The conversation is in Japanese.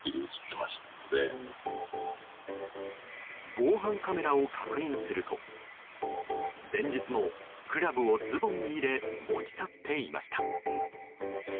防犯カメラを確認すると前日もクラブをズボンに入れ持ち去っていました。